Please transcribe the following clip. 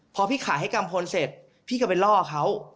พอพี่ขายให้กัมพลเสร็จพี่ก็ไปล่อเขา